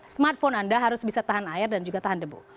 smartphone anda harus bisa tahan air dan juga tahan debu